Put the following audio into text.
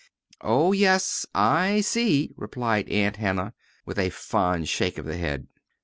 "Oh, yes, I see," replied Aunt Hannah, with a fond shake of the head.